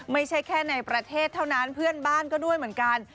ไม่ใช่แค่ในประเทศเท่านั้นเพื่อนบ้านก็ด้วยเหมือนกัน